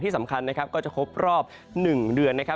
ที่สำคัญก็จะครบรอบ๑เดือนนะครับ